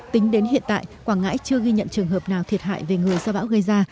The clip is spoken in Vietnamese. tính đến hiện tại quảng ngãi chưa ghi nhận trường hợp nào thiệt hại về người do bão gây ra